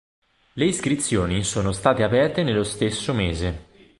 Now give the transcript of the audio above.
Le iscrizioni sono state aperte nello stesso mese.